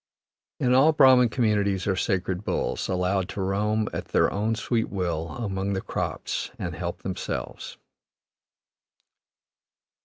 In all Brahman communities are sacred bulls, allowed to roam at their own sweet will among the crops and help themselves.